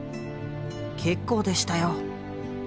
結構でしたよ。